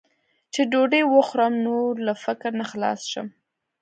چې ډوډۍ وخورم، نور له فکر نه خلاص شم.